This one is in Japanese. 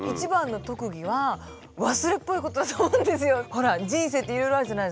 ほら人生っていろいろあるじゃないですか。